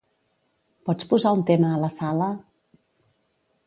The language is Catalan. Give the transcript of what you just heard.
Pots posar un tema a la sala?